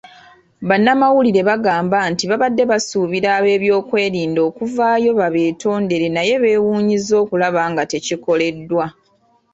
Bannamawulire bagamba nti babadde basuubira ab'ebyokwerinda okuvaayo babeetondere naye beewuunyizza okulaba nga tekikoleddwa.